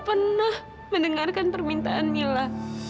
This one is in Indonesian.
tante gak pernah mendengarkan permintaan mila